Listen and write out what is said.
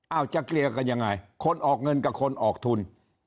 เอาจะเคลียร์กันยังไงคนออกเงินกับคนออกทุน